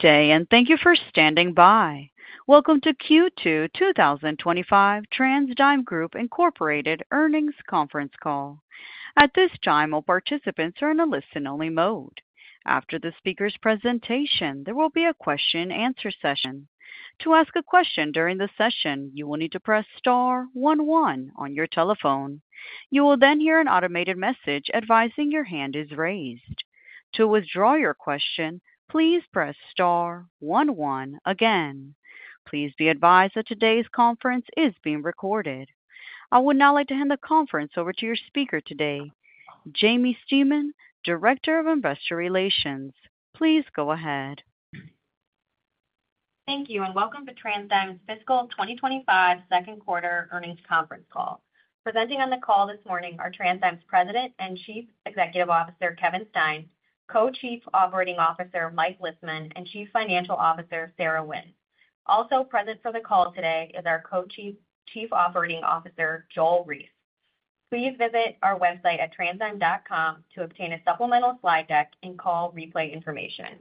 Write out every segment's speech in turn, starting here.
Good day and thank you for standing by. Welcome to Q2 2025 TransDigm Group Earnings Conference Call. At this time, all participants are in a listen only mode. After the speaker's presentation, there will be a question answer session. To ask a question during the session, you will need to press star one one on your telephone. You will then hear an automated message advising your hand is raised. To withdraw your question, please press star one one again. Please be advised that today's conference is being recorded. I would now like to hand the conference over to your speaker today, Jaimie Stemen, Director of Investor Relations. Please go ahead. Thank you and welcome to TransDigm's Fiscal 2025 Second Quarter Earnings Conference Call. Presenting on the call this morning are TransDigm's President and Chief Executive Officer Kevin Stein, Co-Chief Operating Officer Mike Lisman, and Chief Financial Officer Sarah Wynne. Also present for the call today is our Co-Chief Operating Officer Joel Reiss. Please visit our website at transdigm.com to obtain a supplemental slide deck and call replay information.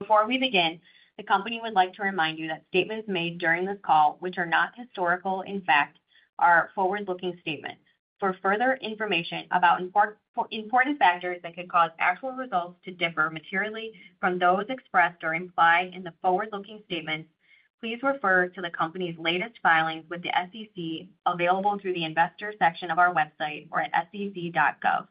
Before we begin, the company would like to remind you that statements made during this call which are not historical in fact are forward-looking statements. For further information about important factors that could cause actual results to differ materially from those expressed or implied in the forward looking statements, please refer to the Company's latest filings with the SEC available through the Investors section of our website or at sec.gov.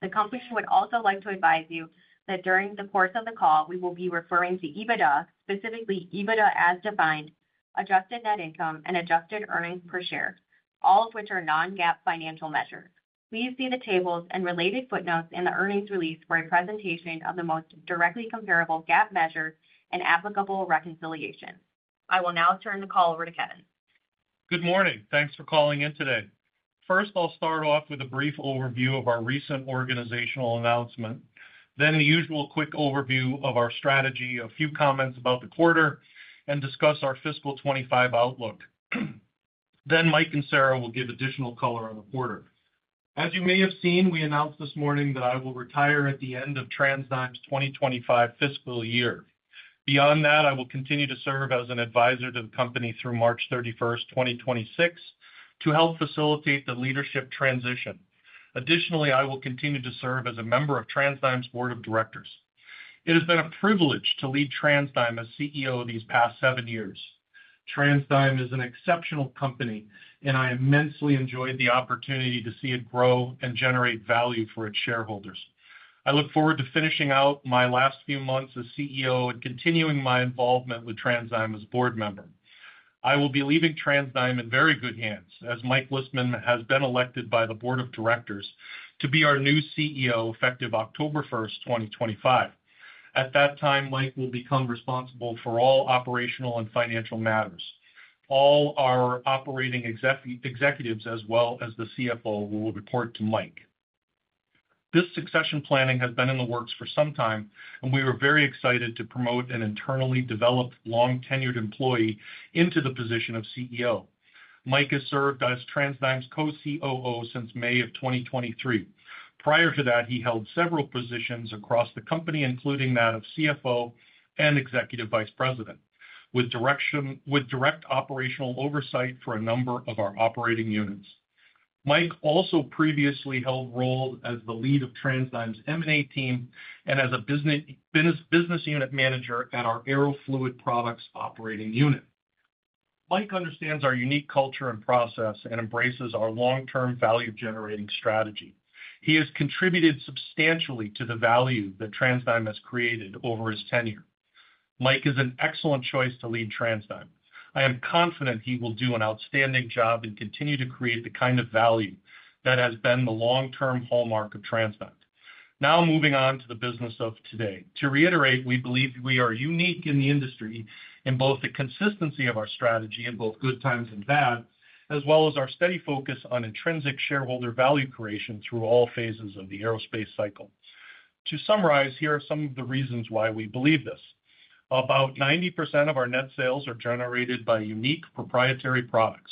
The company would also like to advise you that during the course of the call we will be referring to EBITDA, specifically EBITDA as defined, adjusted net income, and adjusted earnings per share, all of which are non-GAAP financial measures. Please see the tables and related footnotes in the earnings release for a presentation of the most directly comparable GAAP measures and applicable reconciliation. I will now turn the call over to Kevin. Good morning. Thanks for calling in today. First, I'll start off with a brief overview of our recent organizational announcement. Next, the usual quick overview of our strategy, a few comments about the quarter, and discuss our fiscal 2025 outlook. Mike and Sarah will give additional color on the quarter. As you may have seen, we announced this morning that I will retire at the end of TransDigm's 2025 fiscal year. Beyond that, I will continue to serve as an advisor to the company through March 31, 2026 to help facilitate the leadership transition. Additionally, I will continue to serve as a member of TransDigm's board of directors. It has been a privilege to lead TransDigm as CEO these past seven years. TransDigm is an exceptional company and I immensely enjoyed the opportunity to see it grow and generate value for its shareholders. I look forward to finishing out my last few months as CEO and continuing my involvement with TransDigm as a board member. I will be leaving TransDigm in very good hands as Mike Lisman has been elected by the Board of Directors to be our new CEO effective October 1, 2025. At that time, Mike will become responsible for all operational and financial matters. All our operating executives as well as the CFO will report to Mike. This succession planning has been in the works for some time and we were very excited to promote an internally developed, long tenured employee into the position of CEO. Mike has served as TransDigm's COO since May of 2023. Prior to that he held several positions across the company including that of CFO and Executive Vice President with direct operational oversight for a number of our operating units. Mike also previously held roles as the. Lead of TransDigm's M&A team. As a Business Unit Manager at our Aerofluid Products operating unit, Mike understands our unique culture and process and embraces our long term value generating strategy. He has contributed substantially to the value that TransDigm has created over his tenure. Mike is an excellent choice to lead TransDigm. I am confident he will do an outstanding job and continue to create the kind of value that has been the long term hallmark of TransDigm. Now moving on to the business of today. To reiterate, we believe we are unique in the industry in both the consistency of our strategy in both good times and bad, as well as our steady focus on intrinsic shareholder value creation through all phases of the aerospace cycle. To summarize, here are some of the reasons why we believe this: about 90% of our net sales are generated by unique proprietary products.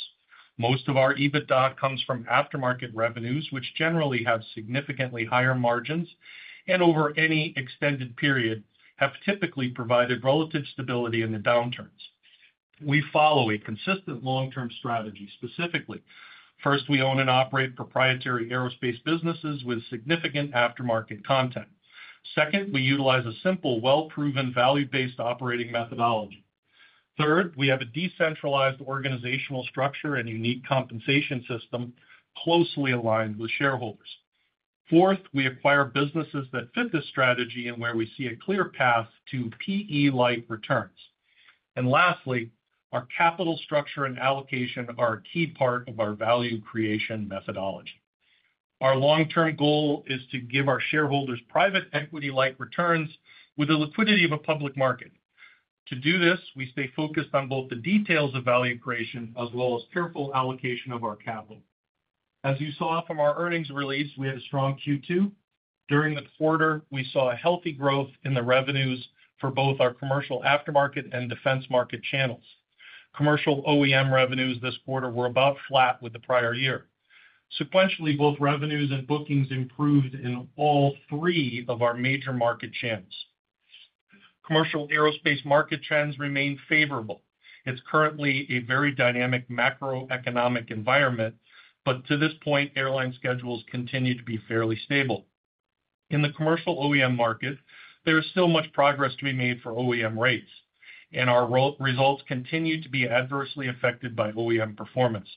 Most of our EBITDA comes from aftermarket revenues which generally have significantly higher margins and over any extended period have typically provided relative stability in the downturns. We follow a consistent long term strategy. Specifically, first, we own and operate proprietary aerospace businesses with significant aftermarket content. Second, we utilize a simple, well proven value based operating methodology. Third, we have a decentralized organizational structure and unique compensation system closely aligned with shareholders. Fourth, we acquire businesses that fit the strategy and where we see a clear path to PE like returns and lastly, our capital structure and allocation are a key part of our value creation methodology. Our long term goal is to give our shareholders private equity like returns with the liquidity of a public market. To do this, we stay focused on both the details of value creation as well as careful allocation of our capital. As you saw from our earnings release, we had a strong Q2 during the quarter. We saw healthy growth in the revenues for both our commercial aftermarket and defense market channels. Commercial OEM revenues this quarter were about flat with the prior year. Sequentially, both revenues and bookings improved in all three of our major market channels. Commercial aerospace market trends remain favorable. It's currently a very dynamic macroeconomic environment, but to this point airline schedules continue to be fairly stable. In the commercial OEM market, there is still much progress to be made for OEM rates and our results continue to be adversely affected by OEM performance.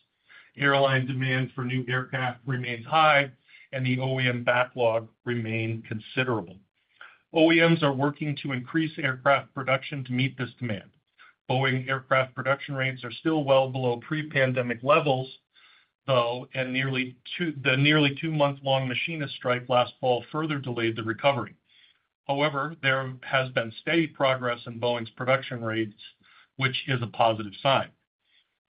Airline demand for new aircraft remains high and the OEM backlog remains considerable. OEMs are working to increase aircraft production to meet this demand. Boeing aircraft production rates are still well below pre-pandemic levels, though the nearly two-month-long machinist strike last fall further delayed the recovery. However, there has been steady progress in Boeing's production rates, which is a positive sign.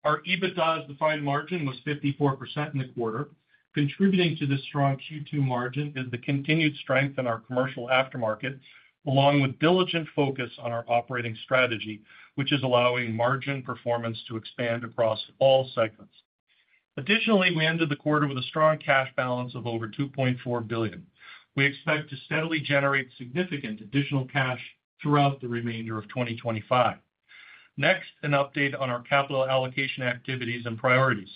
Our EBITDA as defined margin was 54% in the quarter. Contributing to this strong Q2 margin is the continued strength in our commercial aftermarket along with diligent focus on our operating strategy, which is allowing margin performance to expand across all segments. Additionally, we ended the quarter with a strong cash balance of over $2.4 billion. We expect to steadily generate significant additional cash throughout the remainder of 2025. Next, an update on our capital allocation activities and priorities.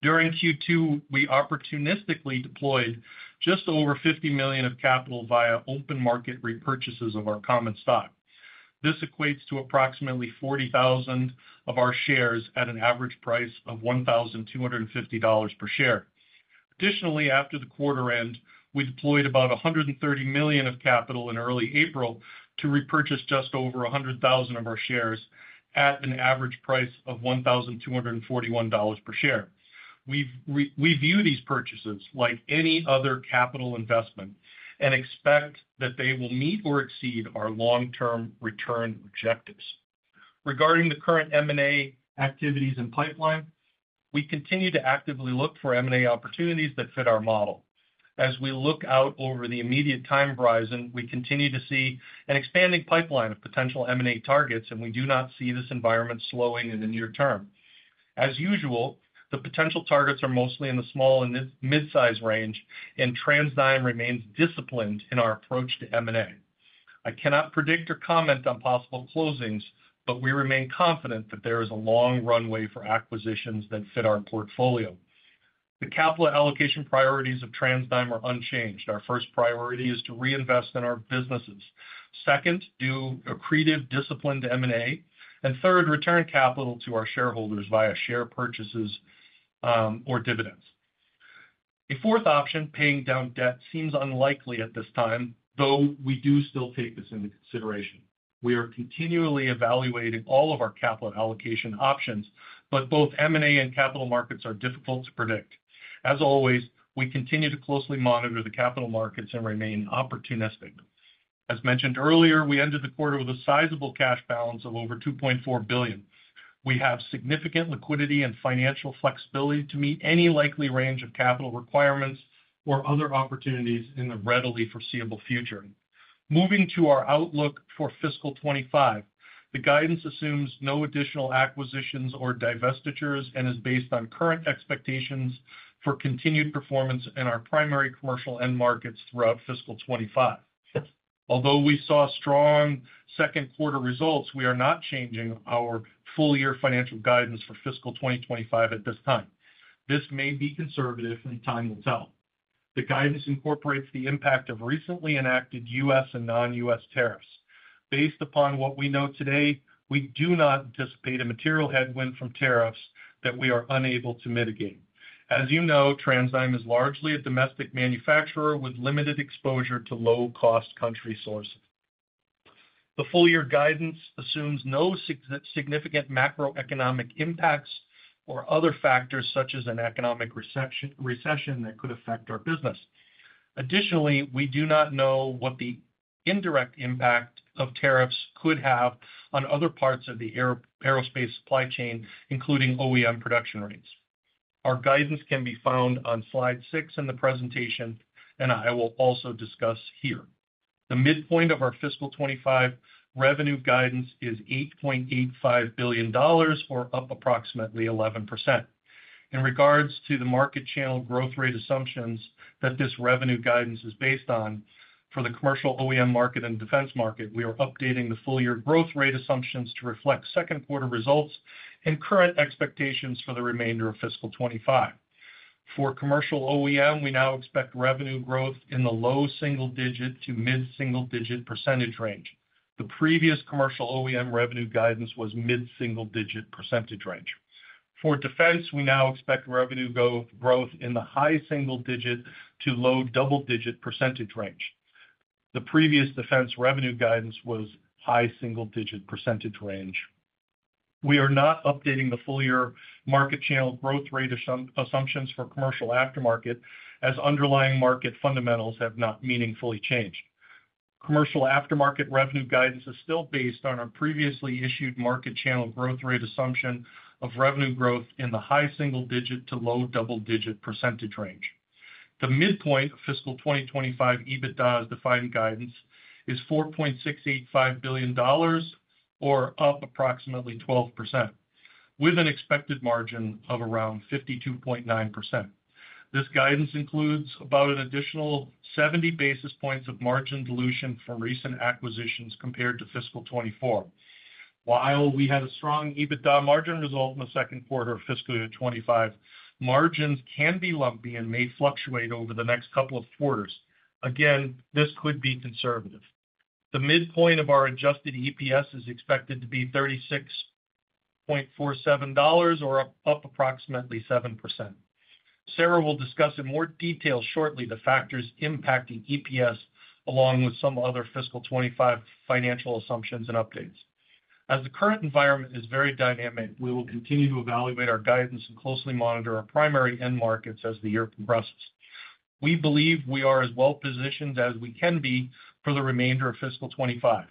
During Q2, we opportunistically deployed just over $50 million of capital via open market repurchases of our common stock. This equates to approximately 40,000 of our shares at an average price of $1,250 per share. Additionally, after the quarter end, we deployed about $130 million of capital in early April to repurchase just over 100,000 of our shares at an average price of $1,241 per share. We view these purchases like any other capital investment and expect that they will meet or exceed our long term return objectives. Regarding the current M&A activities and pipeline, we continue to actively look for M&A opportunities that fit our model. As we look out over the immediate time horizon, we continue to see an expanding pipeline of potential M&A targets and we do not see this environment slowing in the near term. As usual, the potential targets are mostly in the small and mid size range and TransDigm remains disciplined in our approach to M&A. I cannot predict or comment on possible closings, but we remain confident that there is a long runway for acquisitions that fit our portfolio. The capital allocation priorities of TransDigm are unchanged. Our first priority is to reinvest in our businesses. Second, do accretive disciplined M&A and third, return capital to our shareholders via share purchases or dividends. A fourth option, paying down debt, seems unlikely at this time, though we do still take this into consideration. We are continually evaluating all of our capital allocation options, but both M&A and capital markets are difficult to predict. As always, we continue to closely monitor the capital markets and remain opportunistic. As mentioned earlier, we ended the quarter with a sizable cash balance of over $2.4 billion. We have significant liquidity and financial flexibility to meet any likely range of capital requirements or other opportunities in the readily foreseeable future. Moving to our outlook for fiscal 2025, the guidance assumes no additional acquisitions or divestitures and is based on current expectations for continued performance in our primary commercial end markets throughout fiscal 2025. Although we saw strong second quarter results, we are not changing our full year financial guidance for fiscal 2025 at this time. This may be conservative and time will tell. The guidance incorporates the impact of recently enacted U.S. and non-U.S. tariffs. Based upon what we know today, we do not anticipate a material headwind from tariffs that we are unable to mitigate. As you know, TransDigm is largely a domestic manufacturer with limited exposure to low cost country sources. The full year guidance assumes no significant macroeconomic impacts or other factors such as an economic recession that could affect our business. Additionally, we do not know what the indirect impact of tariffs could have on other parts of the aerospace supply chain, including OEM production rates. Our guidance can be found on slide 6 in the presentation and I will also discuss here. The midpoint of our fiscal 2025 revenue guidance is $8.85 billion, or up approximately 11% in regards to the market channel growth rate assumptions that this revenue guidance is based on. For the commercial OEM market and defense market, we are updating the full year growth rate assumptions to reflect second quarter results and current expectations for the remainder of fiscal 2025. For commercial OEM, we now expect revenue growth in the low single digit to mid single digit percentage range. The previous commercial OEM revenue guidance was mid single digit percentage range. For defense, we now expect revenue growth in the high single digit to low double digit percentage range. The previous defense revenue guidance was high single digit percentage range. We are not updating the full year market channel growth rate assumptions for commercial aftermarket as underlying market fundamentals have not meaningfully changed. Commercial aftermarket revenue guidance is still based on our previously issued market channel growth rate assumption of revenue growth in the high single digit to low double digit percentage range. The midpoint of fiscal 2025 EBITDA as defined guidance is $4.685 billion or up approximately 12% with an expected margin of around 52.9%. This guidance includes about an additional 70 basis points of margin dilution from recent acquisitions compared to fiscal 2024. While we had a strong EBITDA margin result in the second quarter of fiscal year 2025, margins can be lumpy and may fluctuate over the next couple of quarters. Again, this could be conservative. The midpoint of our adjusted EPS is expected to be $36.47 or up approximately 7%. Sarah will discuss in more detail shortly the factors impacting EPS along with some other fiscal 2025 financial assumptions and updates. As the current environment is very dynamic, we will continue to evaluate our guidance and closely monitor our primary end markets. As the year progresses we believe we are as well positioned as we can be for the remainder of fiscal 2025.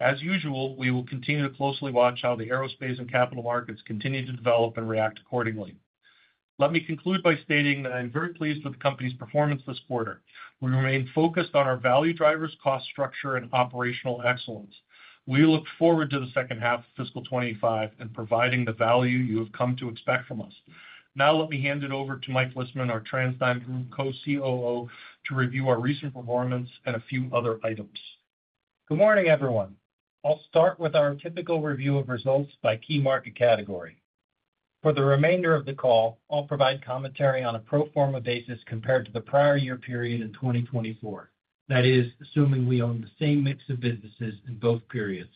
As usual, we will continue to closely watch how the aerospace and capital markets continue to develop and react accordingly. Let me conclude by stating that I am very pleased with the company's performance this quarter. We remain focused on our value drivers, cost structure and operational excellence. We look forward to the second half of fiscal 2025 and providing the value you have come to expect from us. Now let me hand it over to Mike Lisman, our TransDigm Group Co-COO, to review our recent performance and a few other items. Good morning everyone. I'll start with our typical review of results by key market category. For the remainder of the call, I'll provide commentary on a pro forma basis compared to the prior year period in 2024. That is, assuming we own the same mix of businesses in both periods.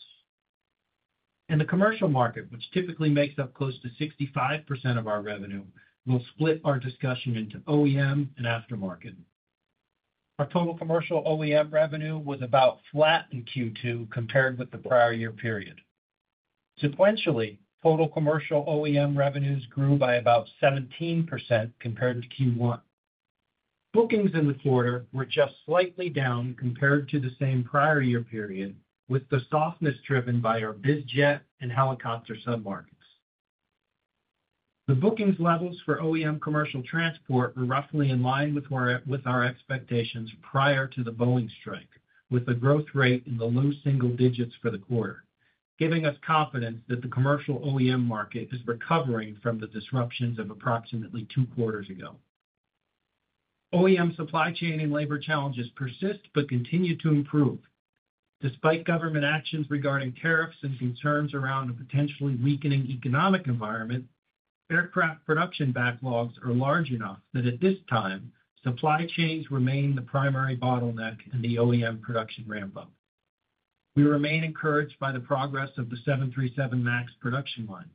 In the commercial market, which typically makes up close to 65% of our revenue, we'll split our discussion into OEM and aftermarket. Our total commercial OEM revenue was about flat in Q2 compared with the prior year period. Sequentially, total commercial OEM revenues grew by about 17% compared to Q1. Bookings in the quarter were just slightly down compared to the same prior year period, with the softness driven by our bizjet and helicopter submarkets. The bookings levels for OEM commercial transport were roughly in line with our expectations prior to the Boeing strike, with the growth rate in the low single digits for the quarter giving us confidence that the commercial OEM market is recovering from the disruptions of approximately two to four years ago. OEM supply chain and labor challenges persist but continue to improve. Despite government actions regarding tariffs and concerns around a potentially weakening economic environment, aircraft production backlogs are large enough that at this time supply chains remain the primary bottleneck in the OEM production ramp up. We remain encouraged by the progress of the 737 Max production line.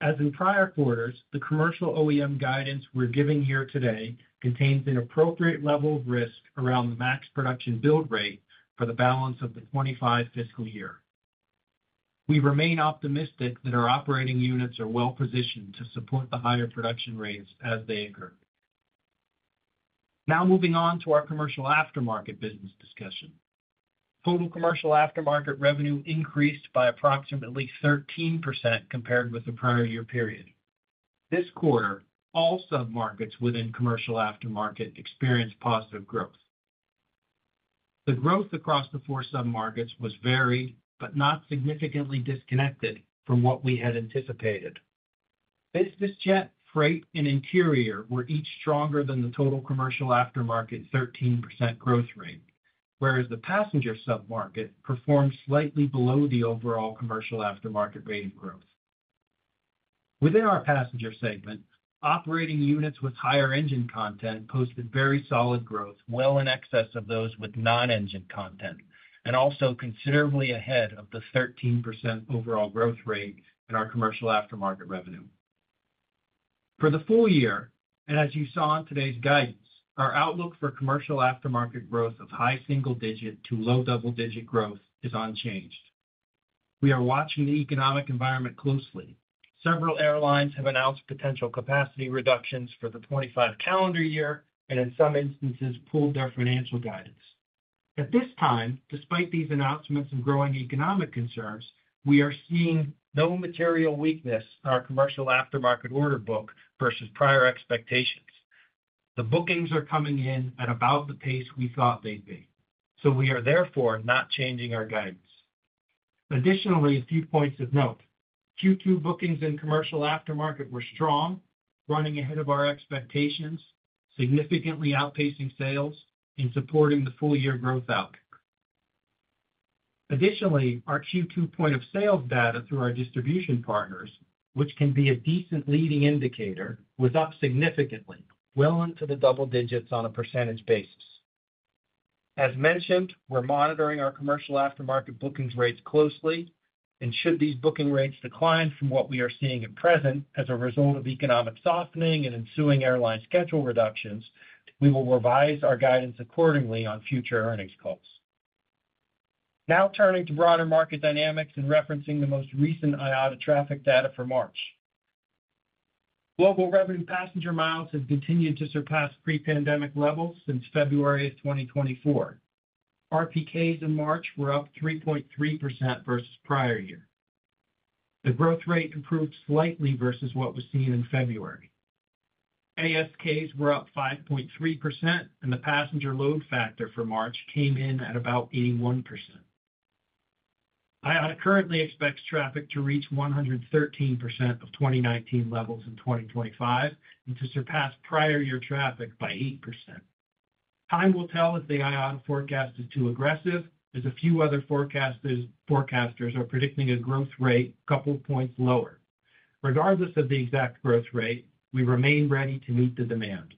As in prior quarters, the commercial OEM guidance we're giving here today contains an appropriate level of risk around the Max production build rate for the balance of the 2025 fiscal year. We remain optimistic that our operating units are well positioned to support the higher production rates as they occur. Now moving on to our commercial aftermarket business discussion. Total commercial aftermarket revenue increased by approximately 13% compared with the prior year period. This quarter, all submarkets within commercial aftermarket experienced positive growth. The growth across the four submarkets was varied but not significantly disconnected from what we had anticipated. Business jet, freight and interior were each stronger than the total commercial aftermarket 13% growth rate, whereas the passenger submarket performed slightly below the overall commercial aftermarket rate. In growth within our passenger segment, operating units with higher engine content posted very solid growth well in excess of those with non-engine content and also considerably ahead of the 13% overall growth rate in our commercial aftermarket revenue for the full year. As you saw in today's guidance, our outlook for commercial aftermarket growth of high single digit to low double digit growth is unchanged. We are watching the economic environment closely. Several airlines have announced potential capacity reductions for the 2025 calendar year and in some instances pulled their financial guidance at this time. Despite these announcements and growing economic concerns, we are seeing no material weakness. Our commercial aftermarket order book versus prior expectations, the bookings are coming in at about the pace we thought they'd be, so we are therefore not changing our guidance. Additionally, a few points of note, Q2 bookings in commercial aftermarket were strong, running ahead of our expectations, significantly outpacing sales and supporting the full year growth out. Additionally, our Q2 point of sales data through our distribution partners, which can be a decent leading indicator, was up significantly well into the double digits on a % basis. As mentioned, we're monitoring our commercial aftermarket. Bookings rates closely and should these booking rates decline from what we are seeing at present as a result of economic softening and ensuing airline schedule reductions, we will revise our guidance accordingly on future earnings calls. Now turning to broader market dynamics and referencing the most recent IATA traffic data for March, global revenue passenger miles have continued to surpass pre-pandemic levels since February of 2024. RPKs in March were up 3.3% versus prior year. The growth rate improved slightly versus what was seen in February. ASKs were up 5.3% and the passenger load factor for March came in at about 81%. IATA currently expects traffic to reach 113% of 2019 levels in 2025 and to surpass prior year traffic by 8%. Time will tell if the IATA forecast is too aggressive, as a few other forecasters are predicting a growth rate couple points lower. Regardless of the exact growth rate, we remain ready to meet the demand.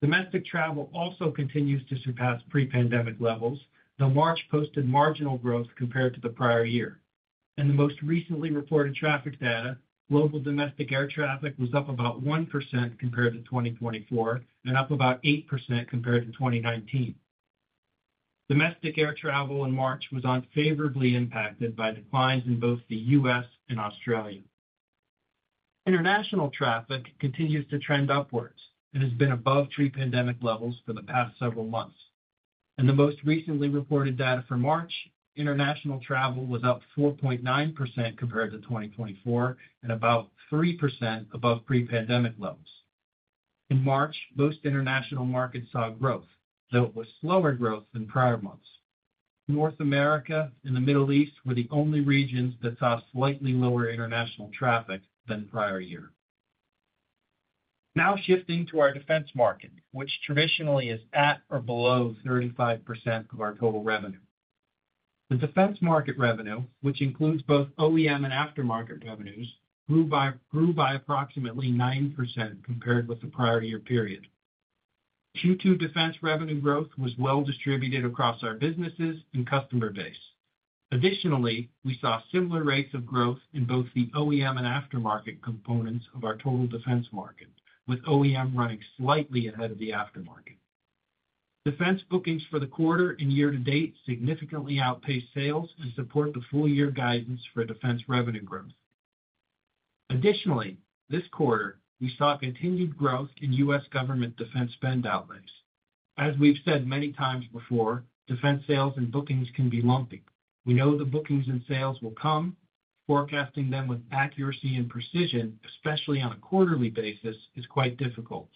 Domestic travel also continues to surpass pre-pandemic levels, though March posted marginal growth compared to the prior year. In the most recently reported traffic data, global domestic air traffic was up about 1% compared to 2024 and up about 8% compared to 2019. Domestic air travel in March was unfavorably impacted by declines in both the U.S. and Australia. International traffic continues to trend upwards and has been above pre-pandemic levels for the past several months. In the most recently reported data for March, international travel was up 4.9% compared to 2024 and about 3% above pre-pandemic levels. In March, most international markets saw growth, though it was slower growth than prior months. North America and the Middle East were the only regions that saw slightly lower international traffic than the prior year. Now shifting to our defense market, which traditionally is at or below 35% of our total revenue. The defense market revenue, which includes both OEM and aftermarket revenues, grew by approximately 9% compared with the prior year period. Q2 defense revenue growth was well distributed across our businesses and customer base. Additionally, we saw similar rates of growth in both the OEM and aftermarket components of our total defense market. With OEM running slightly ahead of the aftermarket, defense bookings for the quarter and year to date significantly outpaced sales and support the full year guidance for defense revenue growth. Additionally, this quarter we saw continued growth in US Government defense spend outlays. As we've said many times before, defense sales and bookings can be lumpy. We know the bookings and sales will come. Forecasting them with accuracy and precision, especially on a quarterly basis, is quite difficult.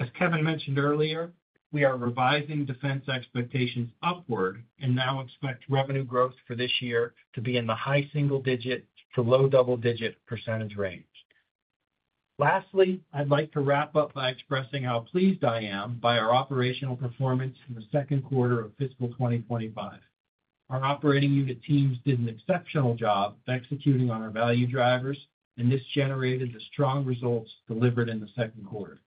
As Kevin mentioned earlier, we are revising defense expectations upward and now expect revenue growth for this year to be in the high single digit to low double digit % range. Lastly, I'd like to wrap up by expressing how pleased I am by our operational performance in the second quarter of fiscal 2025. Our operating unit teams did an exceptional job executing on our value drivers and this generated the strong results delivered in the second quarter.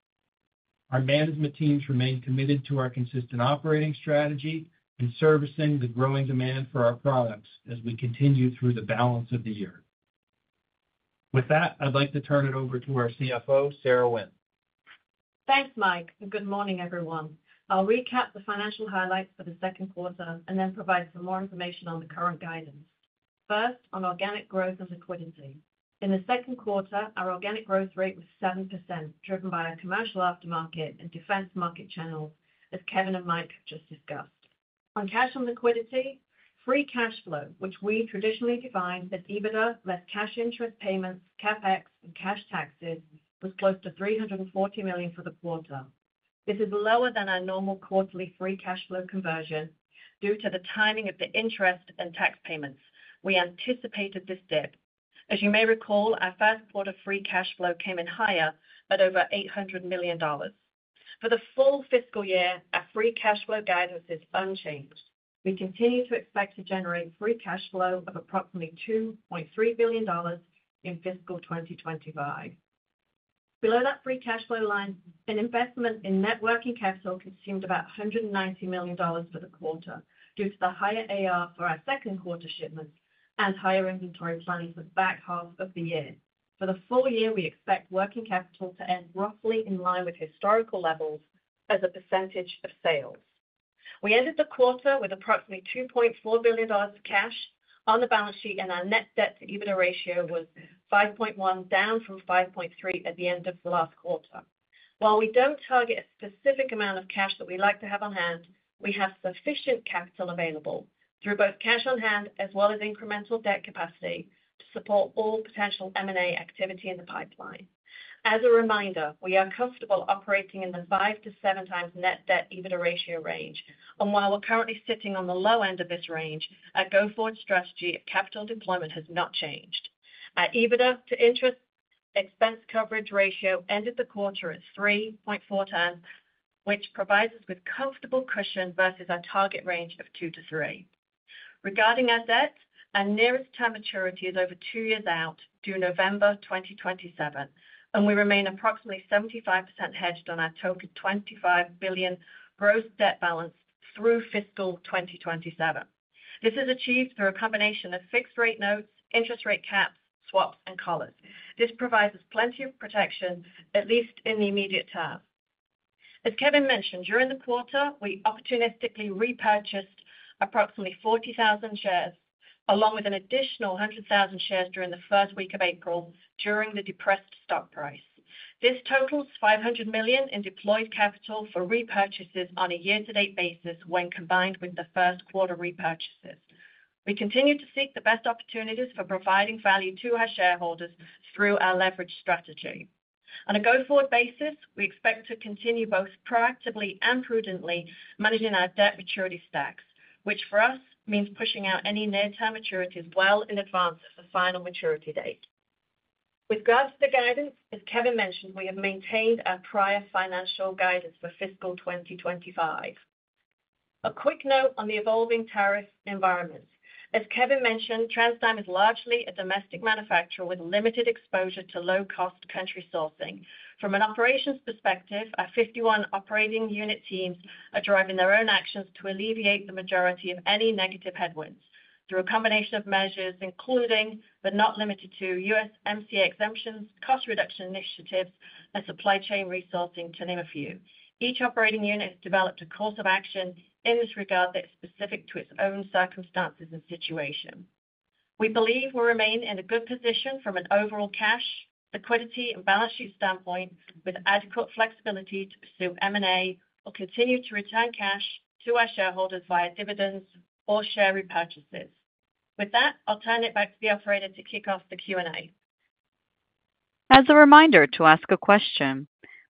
Our management teams remain committed to our consistent operating strategy and servicing the growing demand for our products as we continue through the balance of the year. With that, I'd like to turn it over to our Chief Financial Officer, Sarah Wynne. Thanks Mike and good morning everyone. I'll recap the financial highlights for the second quarter and then provide some more information on the current guidance. First on organic growth and liquidity in the second quarter, our organic growth rate was 7% driven by our commercial, aftermarket and defense market channels. As Kevin and Mike just discussed on cash and liquidity, free cash flow, which we traditionally defined as EBITDA, less cash interest payments, CapEx and cash taxes, was close to $340 million for the quarter. This is lower than our normal quarterly free cash flow conversion. Due to the timing of the interest and tax payments, we anticipated this dip. As you may recall, our first quarter free cash flow came in higher at over $800 million. For the full fiscal year, our free cash flow guidance is unchanged. We continue to expect to generate free cash flow of approximately $2.3 billion in fiscal 2025. Below that free cash flow line, an investment in net working capital consumed about $190 million for the quarter due to the higher AR for our second quarter shipments and higher inventory planning for the back half of the year. For the full year, we expect working capital to end roughly in line with historical levels. As a percentage of sales, we ended the quarter with approximately $2.4 billion of cash on the balance sheet and our net debt to EBITDA ratio was 5.1, down from 5.3 at the end of the last quarter. While we don't target a specific amount of cash that we like to have on hand, we have sufficient capital available through both cash on hand as well as incremental debt capacity to support all potential M&A activity in the pipeline. As a reminder, we are comfortable operating in the 5-7x net debt to EBITDA ratio range and while we're currently sitting on the low end of this range, our go forward strategy of capital deployment has not changed. Our EBITDA to interest expense coverage ratio ended the quarter at 3.4x, which provides us with comfortable cushion versus our target range of 2-3x. Regarding our debt, our nearest term maturity is over two years out due November 2027 and we remain approximately 75% hedged on our total $25 billion gross debt balance through fiscal 2027. This is achieved through a combination of fixed rate notes, interest rate caps, swaps and collars. This provides us plenty of protection, at least in the immediate term. As Kevin mentioned, during the quarter we opportunistically repurchased approximately 40,000 shares along with an additional 100,000 shares during the first week of April. During the depressed stock price, this totals $500 million in deployed capital for repurchases on a year to date basis. When combined with the first quarter repurchases, we continue to seek the best opportunities for providing value to our shareholders through our leverage strategy. On a go forward basis, we expect to continue both proactively and prudently managing our debt maturity stacks, which for us means pushing out any near term maturities well in advance of the final maturity date. With regards to guidance, as Kevin mentioned, we have maintained our prior financial guidance for fiscal 2025. A quick note on the evolving tariff environments. As Kevin mentioned, TransDigm is largely a domestic manufacturer with limited exposure to low cost country sourcing. From an operations perspective, our 51 operating unit teams are driving their own actions to alleviate the majority of any negative headwinds through a combination of measures including but not limited to USMCA exemptions, cost reduction initiatives, and supply chain resourcing, to name a few. Each operating unit developed a course of action in this regard that is specific to its own circumstances and situation. We believe we remain in a good position from an overall cash liquidity and balance sheet standpoint with adequate flexibility to pursue M&A or continue to return cash to our shareholders via dividends or share repurchases. With that, I'll turn it back to the operator. To kick off the Q&A. As a reminder to ask a question,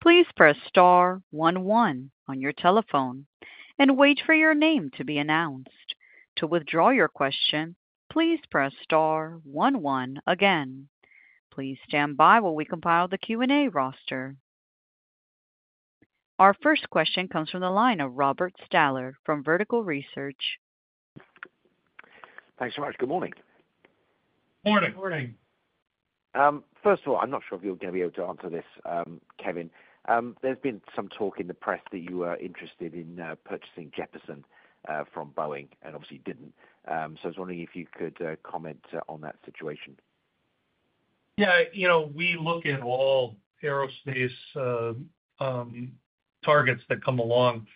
please press star one one on your telephone and wait for your name to be announced. To withdraw your question, please press star one one again. Please stand by while we compile the Q and A roster. Our first question comes from the line of Robert Stallard from Vertical Research. Thanks very much. Good morning. Morning. First of all, I'm not sure if you're going to be able to answer this, Kevin. There's been some talk in the press that you are interested in purchasing Jeppesen from Boeing and obviously didn't. I was wondering if you could comment on that situation. Yeah, you know, we look at all aerospace targets that come along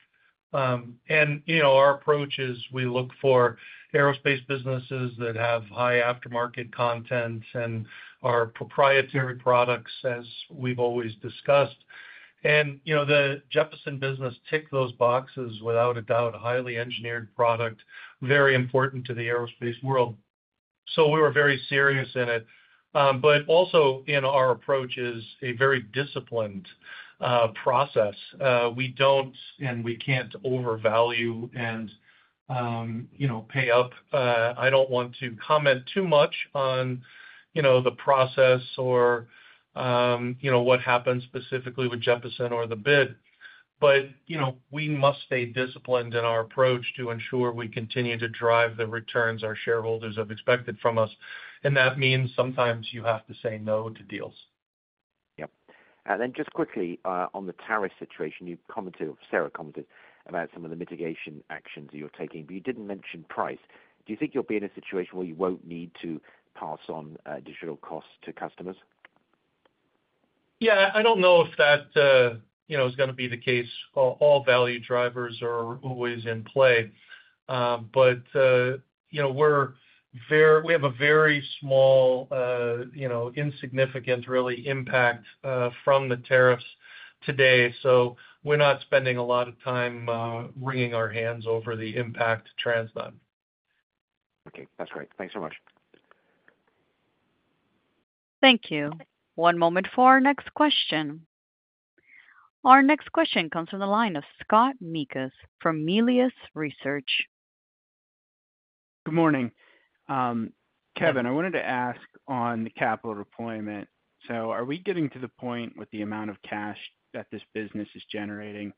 and you know, our approach is we look for aerospace businesses that have high aftermarket content and are proprietary products as we've always discussed. You know, the Jeppesen business ticked those boxes without a doubt. Highly engineered product, very important to the aerospace world. We were very serious in it, but also in our approach is a very disciplined process. We don't and we can't overvalue. You know, pay up. I don't want to comment too much on, you know, the process or, you know, what happens specifically with Jeppesen or the bid. You know, we must stay disciplined in our approach to ensure we continue to drive the returns our shareholders have expected from us. That means sometimes you have to say no to deals. Yep. And then just quickly, on the tariff situation, you commented, Sarah commented about some of the mitigation actions you're taking, but you didn't mention price. Do you think you'll be in a situation where you won't need to pass on digital costs to customers? Yeah. I don't know if that is going to be the case. All value drivers are always in play, but we have a very small, insignificant, really impact from the tariffs today. So we're not spending a lot of time wringing our hands over the impact, TransDigm. Okay, that's great. Thanks so much. Thank you. One moment for our next question. Our next question comes from the line of Scott Mikus from Melius Research. Good morning, Kevin. I wanted to ask on the capital deployment. Are we getting to the point with the amount of cash that this business is generating,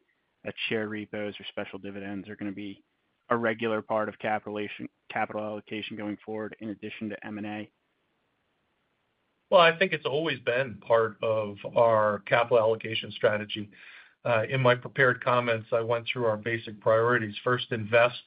share repos or special dividends are going to be a regular part of capital allocation going forward in addition to M&A? I think it's always been part of our capital allocation strategy. In my prepared comments, I went through our basic priorities. First, invest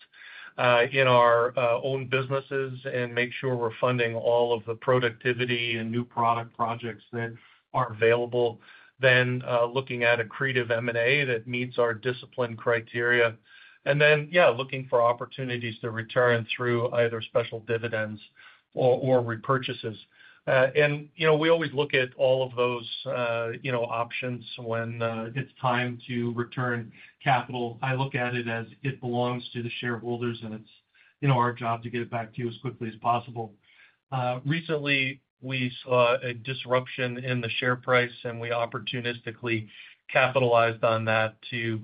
in our own businesses and make sure we're funding all of the productivity and new product projects that are available. Then looking at accretive M&A that meets our discipline criteria. Yeah, looking for opportunities to return through either special dividends or repurchases. You know, we always look at all of those, you know, options. When it's time to return capital, I look at it as it belongs to the shareholders and it's, you know, our job to get it back to you as quickly as possible. Recently we saw a disruption in the share price and we opportunistically capitalized on that to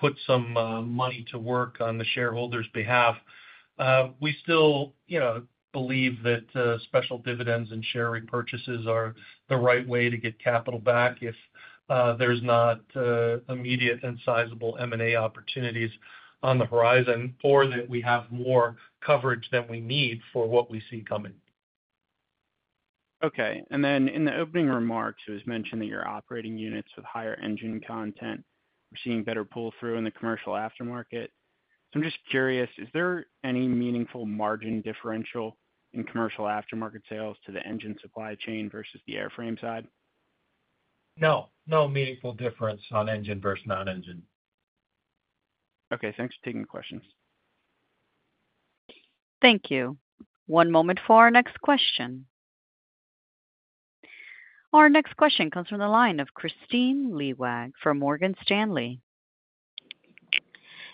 put some money to work on the shareholders' behalf. We still believe that special dividends and share repurchases are the right way to get capital back if there's not immediate and sizable M&A opportunities on the horizon or that we have more coverage than. We need for what we see coming. Okay. In the opening remarks, it was mentioned that your operating units with higher engine content were seeing better pull through in the commercial aftermarket. I am just curious, is there any meaningful margin differential in commercial aftermarket sales to the engine supply chain versus the airframe side? No meaningful difference on engine versus non engine. Okay, thanks for taking the questions. Thank you. One moment for our next question. Our next question comes from the line of Kristine Liwag from Morgan Stanley.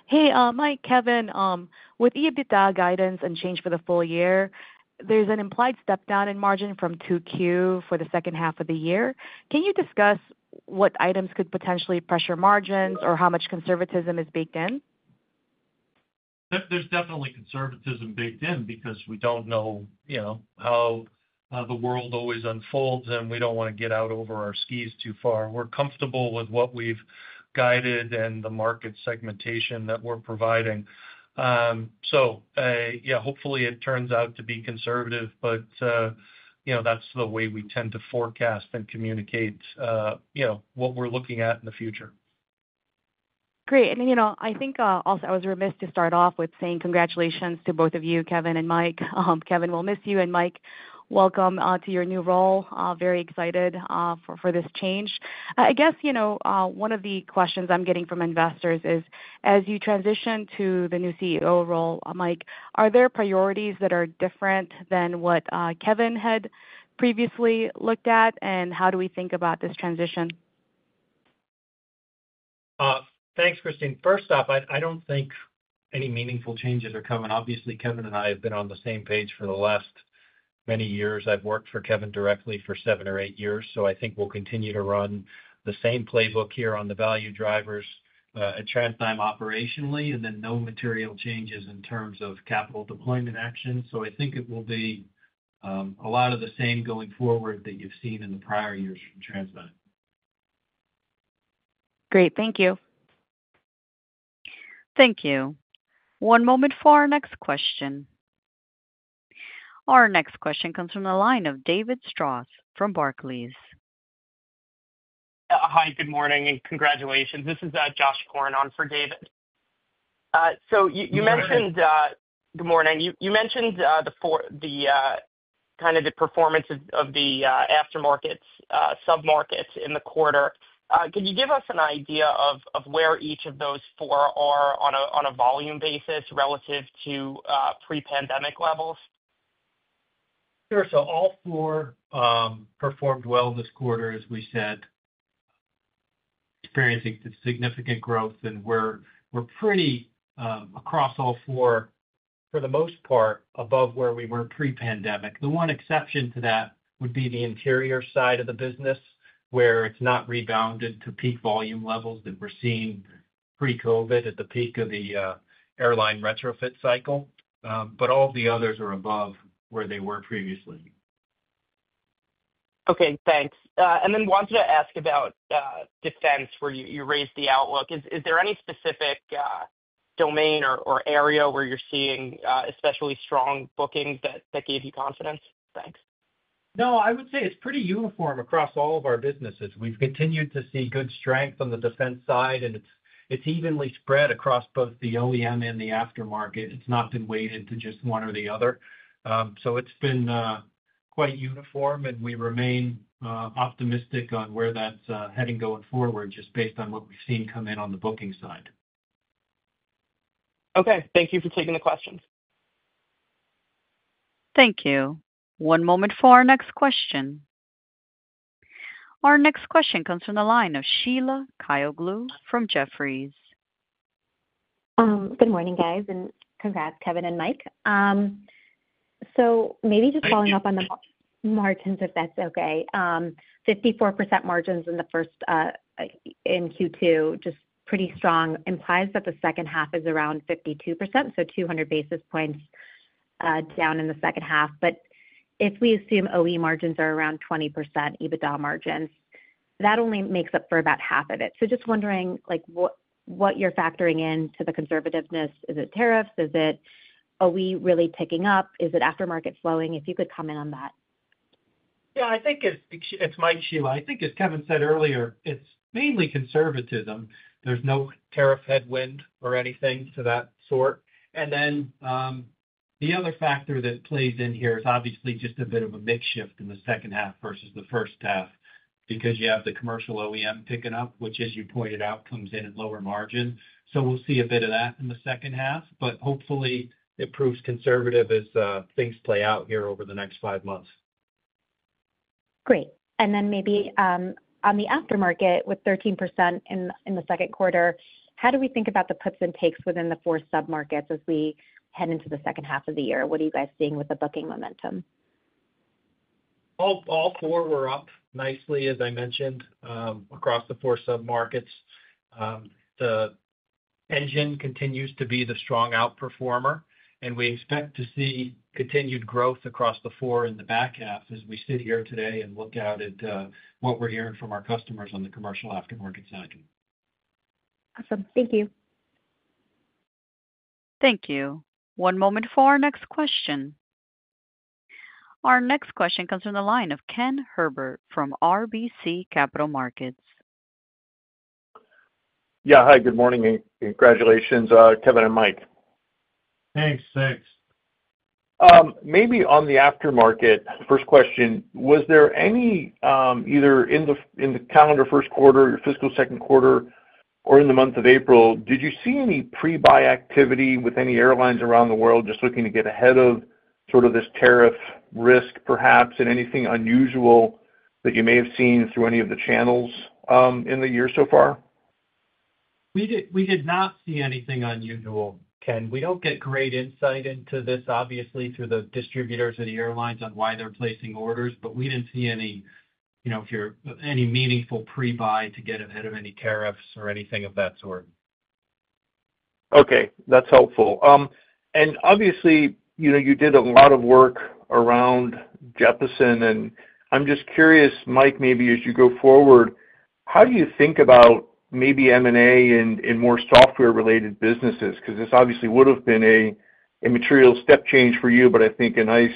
Hey, Mike, Kevin, with EBITDA guidance and change for the full year, there's an implied step down in margin from 2Q for the second half of the year. Can you discuss what items could potentially pressure margins or how much conservatism is baked in? There's definitely conservatism baked in because we don't know, you know, how the world always unfolds and we don't want to get out over our skis too far. We're comfortable with what we've guided and the market segmentation that we're providing. Yeah, hopefully it turns out to be conservative, but that's the way we tend to forecast and communicate what we're. Looking at in the future. Great. I think I was also remiss to start off with saying congratulations to both of you, Kevin and Mike. Kevin, we will miss you. And Mike, welcome to your new role. Very excited for this change. I guess one of the questions I'm getting from investors is as you transition to the new CEO role, Mike, are there priorities that are different than what Kevin had previously looked at and how do we think about this transition? Thanks, Kristine. First off, I don't think any meaningful changes are coming. Obviously, Kevin and I have been on the same page for the last many years. I've worked for Kevin directly for seven or eight years. I think we'll continue to run the same playbook here on the value drivers at TransDigm operationally, and then no material changes in terms of capital deployment actions. I think it will be a lot of the same going forward that you've seen in the prior years from TransDigm. Great, thank you. Thank you. One moment for our next question. Our next question comes from the line of David Strauss from Barclays. Hi, good morning and congratulations. This is Josh Corn on for David. You mentioned. Good morning. You mentioned the kind of the performance of the aftermarket submarkets in the quarter. Could you give us an idea of where each of those four are on a volume basis relative to pre pandemic levels? Sure. All four performed well this quarter, as we said, experiencing significant growth. We are pretty much across all four for the most part, above where we were pre pandemic. The one exception to that would be the interior side of the business where it has not rebounded to peak volume levels that we were seeing pre COVID at the peak of the airline retrofit cycle. All of the others are above where they were previously. Okay, thanks. I wanted to ask about defense, where you raised the outlook. Is there any specific domain or area where you're seeing especially strong bookings that gave you confidence? Thanks. No, I would say it's pretty uniform across all of our businesses. We've continued to see good strength on the defense side, and it's evenly spread across both the OEM and the aftermarket. It's not been weighted to just one or the other. It's been quite uniform, and we remain optimistic on where that's heading going forward, just based on what we've seen come in on the booking side. Okay, thank you for taking the questions. Thank you. One moment for our next question. Our next question comes from the line of Sheila Kahyaoglu from Jefferies. Good morning, guys, and congrats, Kevin and Mike. Maybe just following up on the margins, if that's okay. 54% margins in the first in Q2, just pretty strong, implies that the second half is around 52%. 200 basis points down in the second half. If we assume OE margins are around 20% EBITDA margins, that only makes up for about half of it. Just wondering, like, what you're factoring in to the conservativeness. Is it tariffs? Is it OE really picking up? Is it aftermarket slowing? If you could comment on that. Yeah, I think it might Sheila, I think as Kevin said earlier, it's mainly conservatism. There's no tariff headwind or anything to that sort of. The other factor that plays in here is obviously just a bit of a mix shift in the second half versus the first half, because you have the commercial OEM picking up, which, as you pointed out, comes in at lower margin. We'll see a bit of that in the second half, but hopefully it proves conservative as things play out here over the next five months. Great. Maybe on the aftermarket, with 13% in the second quarter, how do we think about the puts and takes within the four submarkets as we head into the second half of the year? What are you guys seeing with the booking momentum? All four were up nicely, as I mentioned, across the four submarkets. The engine continues to be the strong outperformer, and we expect to see continued growth across the four in the back half. As we sit here today and look out at what we're hearing from our customers on the commercial aftermarket side. Awesome. Thank you. Thank you. One moment for our next question. Our next question comes from the line of Ken Herbert from RBC Capital Markets. Yeah. Hi, good morning. Congratulations, Kevin and Mike. Thanks. Maybe on the aftermarket, first question, Was there any either in the calendar first. Quarter, your fiscal second quarter or in. The month of April, did you see Any pre buy activity with any airlines around the world just looking to get ahead of sort of this tariff risk perhaps and anything unusual that you may have seen through any of the channels in the year so far? We did not see anything unusual, Ken. We do not get great insight into this obviously through the distributors or the airlines on why they are placing orders, but we did not see any, you know, any meaningful pre-buy to get ahead of any tariffs or anything of that sort. Okay, that's helpful. Obviously, you know, you did a lot of work around Jeppesen. I'm just curious, Mike, maybe as you go forward, how do you think about maybe M&A and more software related businesses? Because this obviously would have been a. Material step change for you, but I think a nice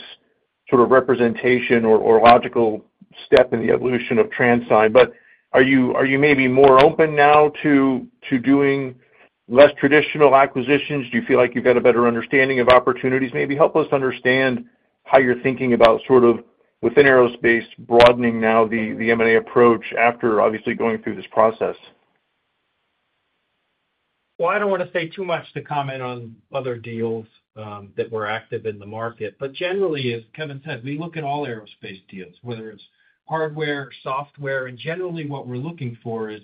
sort of representation or logical step in the evolution of TransDigm. Are you maybe more open now to doing less traditional acquisitions? Do you feel like you've got a better understanding of opportunities, maybe help us understand how you're thinking about sort of within aerospace broadening now the M&A approach after obviously going through this process? I don't want to say too much to comment on other deals that were active in the market. Generally, as Kevin said, we look at all aerospace deals, whether it's hardware, software, and generally what we're looking for is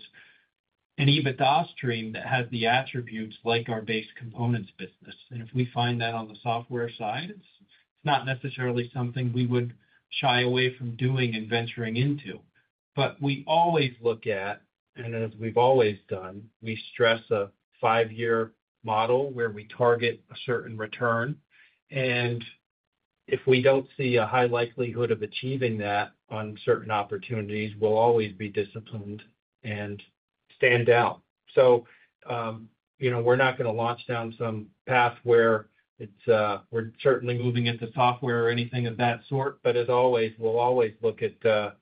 an EBITDA stream that has the attributes like our base components business. If we find that on the software side, it's not necessarily something we would shy away from doing and venturing into. We always look at, and as we've always done, we stress a five year model where we target a certain return, and if we don't see a high likelihood of achieving that on certain opportunities, we'll always be disciplined and stand out. You know, we're not going to launch down some path where we're certainly moving into software or anything of that sort. As always, we'll always look at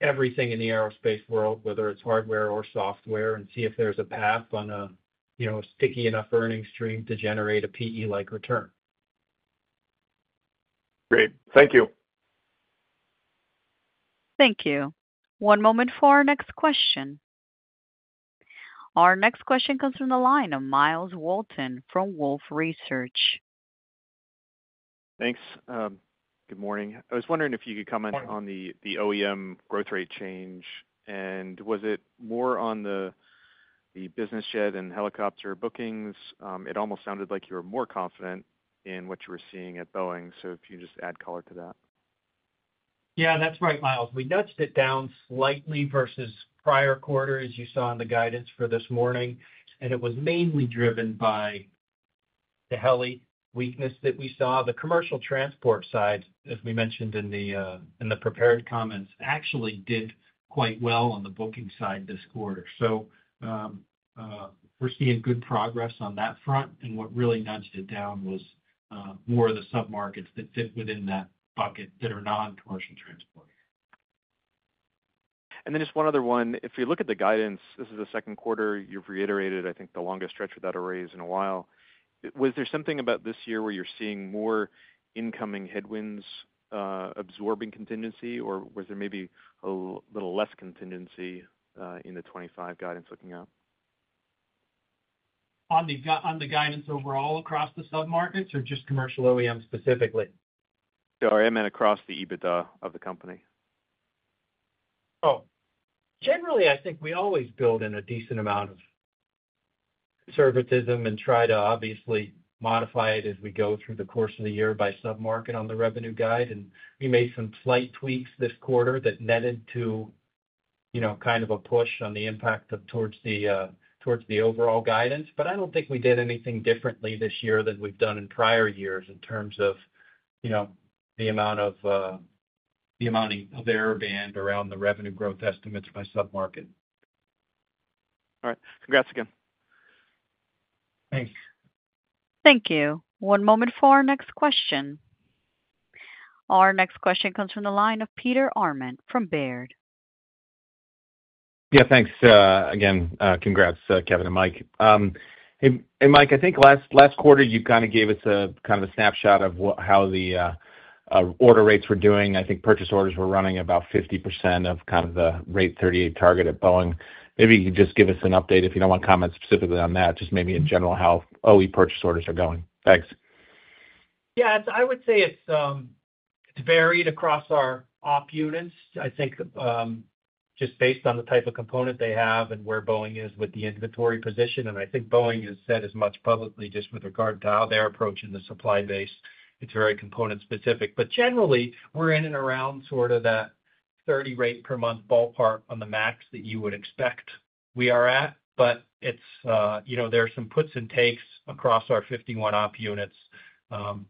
everything in the aerospace world, whether it's hardware or software, and see if there's a path on a, you know, sticky enough earnings stream to generate a PE like return. Great, thank you. Thank you. One moment for our next question. Our next question comes from the line of Myles Walton from Wolfe Research. Thanks. Good morning. I was wondering if you could comment. On the OEM growth rate change and was it more on the business jet and helicopter bookings? It almost sounded like you were more confident in what you were seeing at Boeing. If you just add color to that. Yes, that's right, Myles. We nudged it down slightly versus prior quarter as you saw in the guidance for this morning. It was mainly driven by the heli weakness that we saw. The commercial transport side, as we mentioned in the prepared comments, actually did quite well on the booking side this quarter. We are seeing good progress on that front. What really nudged it down was more of the sub markets that fit within that bucket that are non commercial transport. If you look at the guidance, this is the second quarter you've reiterated, I think the longest stretch without a raise in a while. Was there something about this year where? You're seeing more incoming headwinds absorbing contingency, or was there maybe a little less contingency in the 2025 guidance OEM? On the guidance overall across the submarkets or just commercial OEM specifically? Sorry, I meant across the EBITDA of the company. Generally, I think we always build in a decent amount of conservatism and try to obviously modify it as we go through the course of the year by submarket on the revenue guide. We made some slight tweaks this quarter that netted to, you know, kind of a push on the impact of, towards the, towards the overall guidance. I do not think we did anything differently this year than we have done in prior years in terms of, you know, the amount of error band around the revenue growth estimates by submarket. All right, congrats again. Thanks. Thank you. One moment for our next question. Our next question comes from the line of Peter Arment from Baird. Yeah, thanks again. Congrats, Kevin and Mike. Hey, Mike, I think last quarter you kind of gave us a snapshot of how the order rates were doing. I think purchase orders were running about 50% of kind of the rate 38 target at Boeing. Maybe you just give us an update if you don't want to comment specifically on that. Just maybe in general how Boeing purchase orders are going. Thanks. Yeah, I would say it's varied across our op units, I think just based on the type of component they have and where Boeing is with the inventory position. I think Boeing has said as much publicly just with regard to how they're approaching the supply base, it's very component specific, but generally we're in and around sort of that 30 rate per month, ballpark on the max that you would expect we are at. It's, you know, there are some puts and takes across our 51 op units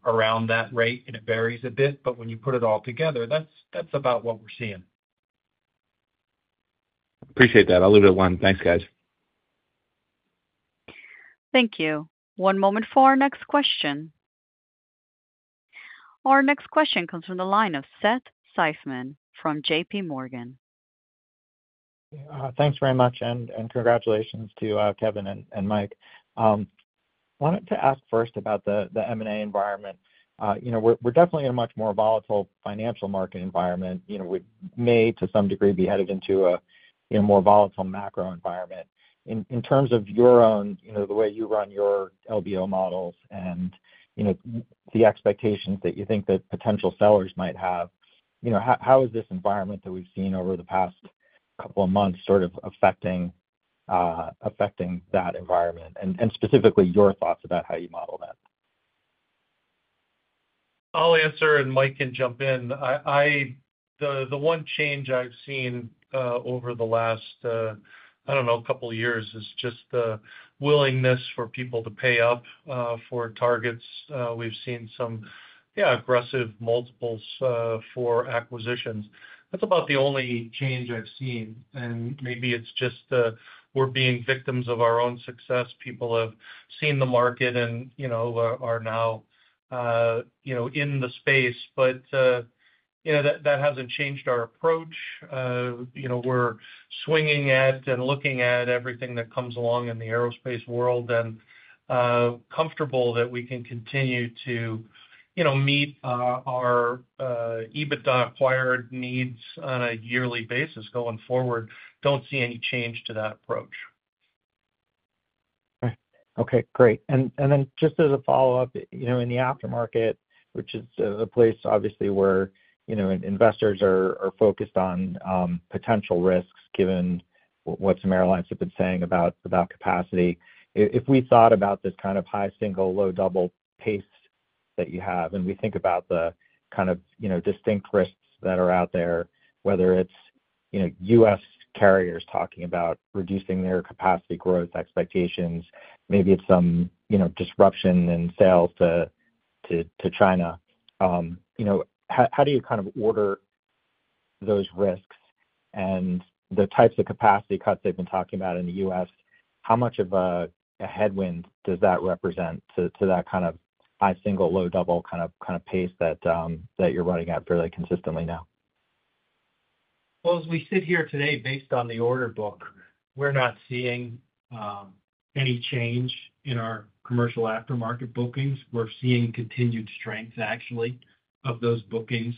around that rate and it varies a bit. When you put it all together, that's about what we're seeing. Appreciate that. I'll leave it at one. Thanks guys. Thank you. One moment for our next question. Our next question comes from the line of Seth Seifman from JPMorgan. Thanks very much and congratulations to Kevin and Mike. Wanted to ask first about the M&A environment. You know, we're definitely in a much more volatile financial market environment. You know, we may to some degree be headed into a more volatile macro environment. In terms of your own, you know. The way you run your LBO model. You know, the expectations that you think that potential sellers might have, you know, how is this environment that we've seen over the past couple of months sort of affecting that environment and specifically your thoughts about how you model that? I'll answer and Mike can jump in. The one change I've seen over the last, I don't know, a couple of years is just the willingness for people to pay up for targets. We've seen some aggressive multiples for acquisitions. That's about the only change I've seen. Maybe it's just we're being victims of our own success. People have seen the market and, you know, are now, you know, in the space. You know, that hasn't changed our approach. You know, we're swinging at and looking at everything that comes along in aerospace world and comfortable that we can continue to meet our EBITDA acquired needs on a yearly basis going forward. Don't see any change to that approach. Okay, great. Just as a follow up. In the aftermarket, which is a place obviously where investors are focused on potential risks. Given what some airlines have been saying about capacity. If we thought about this kind of high, single, low, double pace that you have, and we think about the kind of distinct risks that are out there, whether it's US carriers talking about reducing their capacity growth expectations, maybe it's some disruption in sales to China, how do you order those risks and the types of capacity cuts they've been talking about in the US how much of a headwind does that represent to that kind of high, single, low, double, kind of pace that you're running at fairly consistently now. As we sit here today, based on the order book, we're not seeing any change in our commercial aftermarket bookings. We're seeing continued strength, actually, of those bookings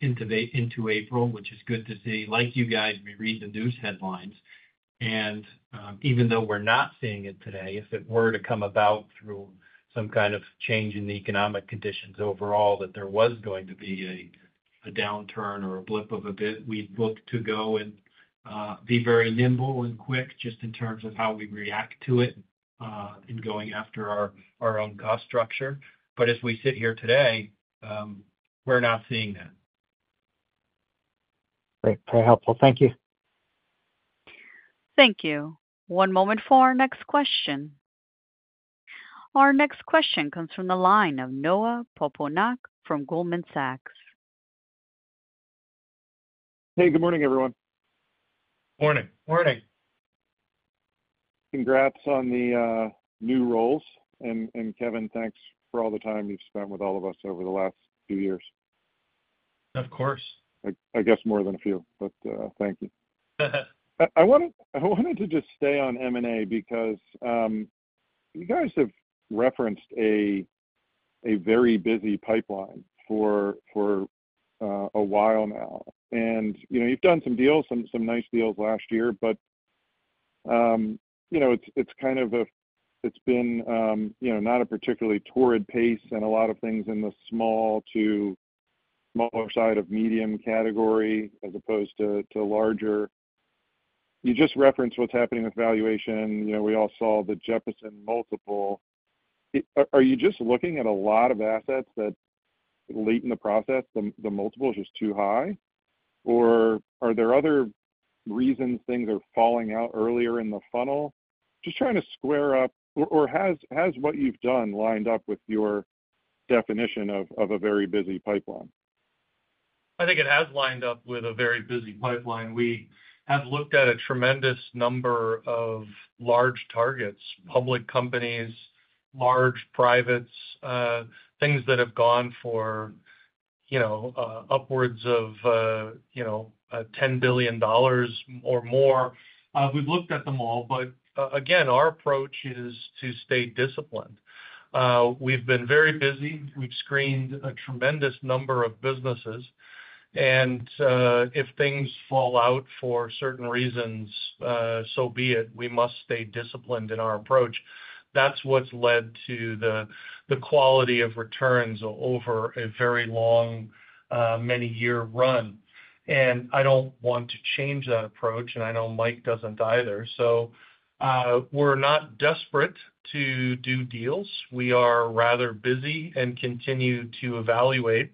into April, which is good to see. Like you guys, we read the news headlines and even though we're not seeing it today, if it were to come about through some kind of change in the economic conditions overall, that there was going to be a downturn or a blip of a bit, we'd look to go and be very nimble and quick just in terms of how we react to it in going after our own cost structure. As we sit here today, we're not seeing that. Great. Very helpful. Thank you. Thank you. One moment for our next question. Our next question comes from the line of Noah Poponak from Goldman Sachs. Hey, good morning, everyone. Morning. Morning. Congrats on the new roles. Kevin, thanks for all the time you've spent with all of us over the last few years. Of course, I guess more than a few, but thank you. I wanted to just stay on M&A because you guys have referenced a very busy pipeline for a while now and you've done some deals, some nice deals last year, but, you know, it's kind of a. It's been, you know, not a particularly torrid pace and a lot of things in the small to smaller side of medium category as opposed to larger. You just referenced what's happening with valuation. You know, we all saw the Jeppesen multiple. Are you just looking at a lot of assets that late in the process the multiple is just too high, or are there other reasons things are falling out earlier in the funnel, just trying to square up, or has what you've done lined up with your definition of a very busy pipeline? I think it has lined up with a very busy pipeline. We have looked at a tremendous number of large targets, public companies, large privates, things that have gone for upwards of $10 billion or more. We've looked at them all. Again, our approach is to stay disciplined. We've been very busy. We've screened a tremendous number of businesses, and if things fall out for certain reasons, so be it. We must stay disciplined in our approach. That's what's led to the quality of returns over a very long, many year run. I don't want to change that approach and I know Mike doesn't either. We are not desperate to do deals. We are rather busy and continue to evaluate.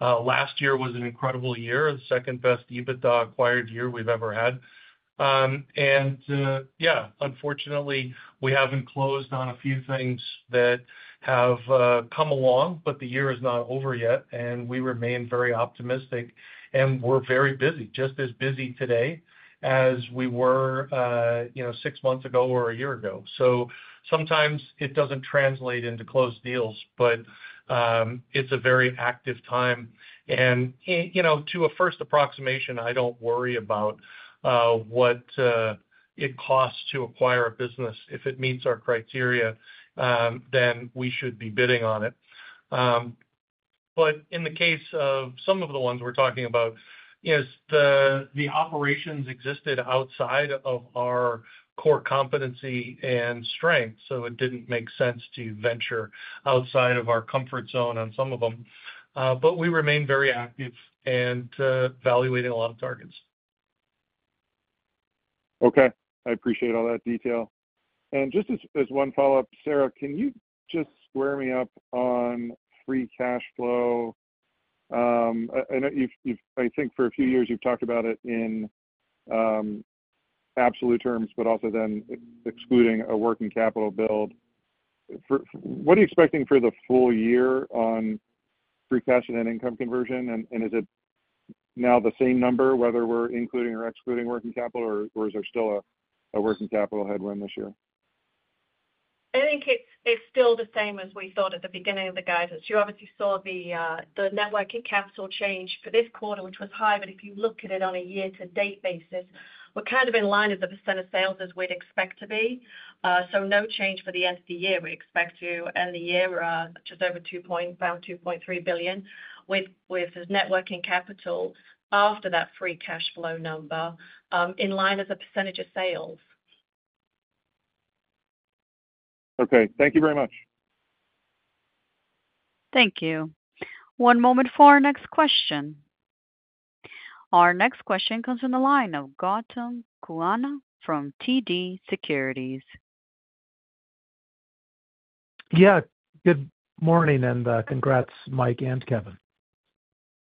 Last year was an incredible year. Second best EBITDA acquired year we've ever had. Unfortunately we haven't closed on a few things that have come along. The year is not over yet and we remain very optimistic and we're very busy. Just as busy today as we were, you know, six months ago or a year ago. Sometimes it does not translate into closed deals, but it is a very active time and, you know, to a first approximation, I do not worry about what it costs to acquire a business. If it meets our criteria, then we should be bidding on it. In the case of some of the ones we are talking about, the operations existed outside of our core competency and strength. It did not make sense to venture outside of our comfort zone on some of them. We remain very active and evaluating a lot of targets. Okay, I appreciate all that detail. Just as one follow up. Sarah, can you just square me up on free cash flow? I think for a few years you've talked about it in absolute terms, but also then excluding a working capital build, what are you expecting for the full year on free cash and net income conversion and is it now the same number whether we're including or excluding working capital or is there still a working capital headwind this year? I think it's still the same as we thought at the beginning of the guidance. You obviously saw the net working capital change for this quarter, which was high, but if you look at it on a year to date basis, we're kind of in line as the percent of sales as we'd expect to be. No change for the end of the year. We expect to end the year just over $2.3 billion with net working capital. After that, free cash flow number in line as a percentage of sales. Okay, thank you very much. Thank you. One moment for our next question. Our next question comes from the line of Gautam Khanna from TD Securities. Yeah, good morning and congrats, Mike and Kevin.